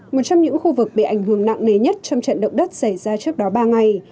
một trong những khu vực bị ảnh hưởng nặng nề nhất trong trận động đất xảy ra trước đó ba ngày